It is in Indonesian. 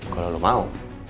kalau lo mau